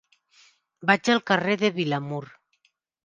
Vaig al carrer de Vilamur.